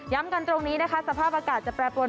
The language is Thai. กันตรงนี้นะคะสภาพอากาศจะแปรปรวน